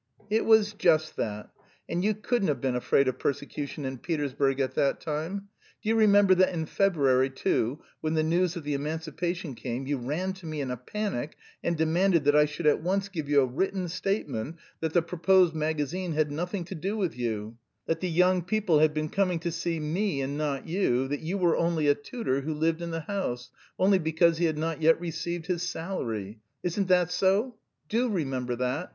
"It was just that. And you couldn't have been afraid of persecution in Petersburg at that time. Do you remember that in February, too, when the news of the emancipation came, you ran to me in a panic, and demanded that I should at once give you a written statement that the proposed magazine had nothing to do with you; that the young people had been coming to see me and not you; that you were only a tutor who lived in the house, only because he had not yet received his salary. Isn't that so? Do remember that?